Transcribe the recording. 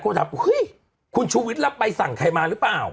ทวทัพคุณชุวิตเอาไปสั่งใครมาละเปล่า